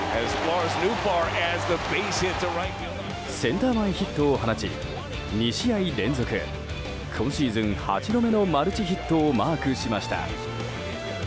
センター前ヒットを放ち２試合連続、今シーズン８度目のマルチヒットをマークしました。